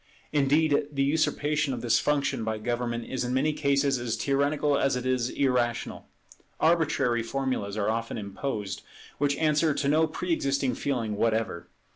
Indeed the usurpation of this function by government is in many cases as tyrannical as it is irrational; arbitrary formulas are often imposed, which answer to no pre existing feeling whatever.